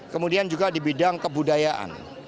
kemudian juga di bidang kebudayaan